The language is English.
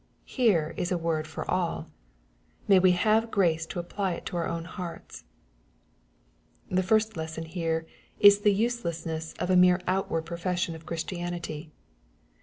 Here is a word for all. May we have grace to apply it to our own hearts ! The first lesson here is the ttsdessnessqfa mere outward profession of PhristianUy.